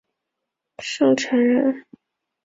陈胜人。